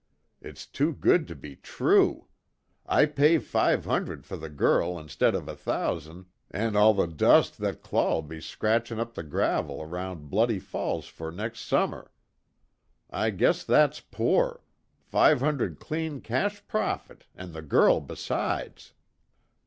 It's too good to be true! I pay five hundred fer the girl instead of a thousan', an' all the dust, that Claw'll be up scratchin' the gravel around Bloody Falls fer next summer. I guess that's poor five hundred clean cash profit, an' the girl besides!"